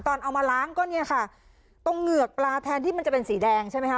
เอามาล้างก็เนี่ยค่ะตรงเหงือกปลาแทนที่มันจะเป็นสีแดงใช่ไหมคะ